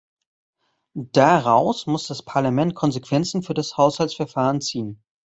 Daraus muss das Parlament Konsequenzen für das Haushaltsverfahren ziehen.